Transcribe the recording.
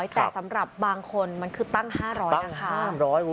แต่สำหรับบางคนมันคือตั้ง๕๐๐นะคะ